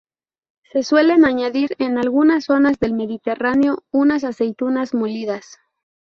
Se suelen añadir en algunas zonas del Mediterráneo unas aceitunas molidas.